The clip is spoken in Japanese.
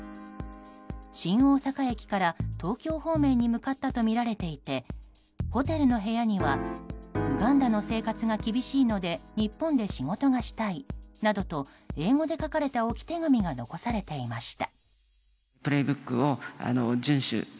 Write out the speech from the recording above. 新大阪駅から東京方面に向かったとみられていてホテルの部屋にはウガンダの生活が厳しいので日本で仕事がしたいなどと英語で書かれた置き手紙が残されていました。